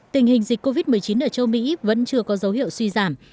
tình hình dịch covid một mươi chín ở châu mỹ vẫn chưa có dấu hiệu suy giảm